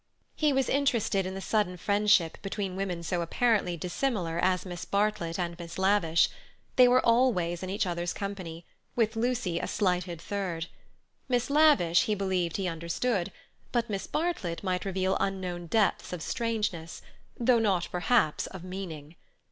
He was interested in the sudden friendship between women so apparently dissimilar as Miss Bartlett and Miss Lavish. They were always in each other's company, with Lucy a slighted third. Miss Lavish he believed he understood, but Miss Bartlett might reveal unknown depths of strangeness, though not perhaps, of meaning.